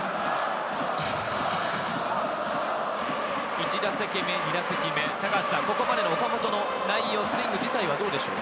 １打席目、２打席目、ここまでの岡本の内容、スイング自体はどうでしょう？